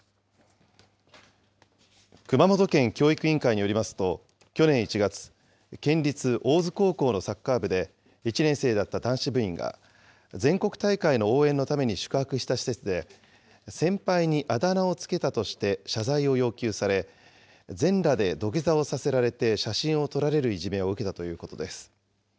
熊本県教育委員会によりますと、去年１月、県立大津高校のサッカー部で、１年生だった男子部員が、全国大会の応援のために宿泊した施設で、先輩にあだ名を付けたとして謝罪を要求され、全裸で土下座をさせられて写真を撮られるいじめを受けたということです。